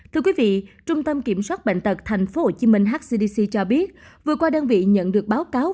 thưa quý vị trung tâm kiểm soát bệnh tật tp hcm hcdc cho biết vừa qua đơn vị nhận được báo cáo